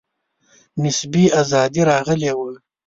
نسبي آزادي راغلې وه.